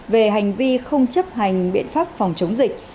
về hành vi không chấp hành biện pháp phòng chống dịch